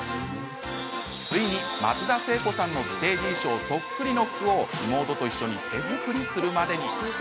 ついに松田聖子さんのステージ衣装そっくりの服を妹と一緒に手作りするまでに。